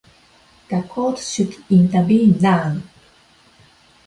The court should intervene now.